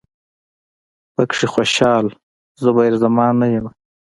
پکې خوشال، زبیر زمان نه یمه